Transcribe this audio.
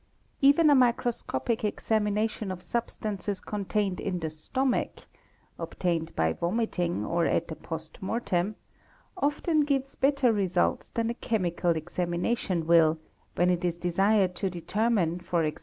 Even a | microscopic examination of substances contained in the stomach (obtained by vomiting or at the post mortem) often gives better results than a ol emical examination will, when it is desired to determine, e.g.